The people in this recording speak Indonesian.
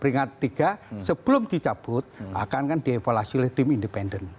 peringatan ketiga sebelum dicabut akan kan dievaluasi oleh tim independen